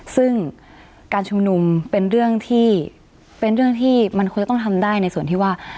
ซึ่งการชุมนุมเป็นเรื่องที่มันควรจะต้องทำได้ในส่วนที่ว่า